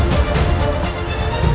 dan saya akan menyerah